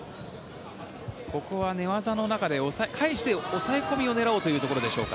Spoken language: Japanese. ここは寝技の中で返して、抑え込みを狙おうというところでしょうか。